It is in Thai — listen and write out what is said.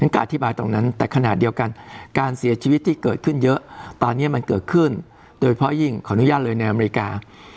ก็อธิบายตรงนั้นแต่ขณะเดียวกันการเสียชีวิตที่เกิดขึ้นเยอะตอนนี้มันเกิดขึ้นโดยเพราะยิ่งขออนุญาตเลยในอเมริกา